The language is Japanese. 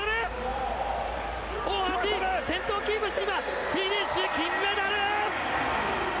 大橋、先頭をキープして今、フィニッシュ、金メダル！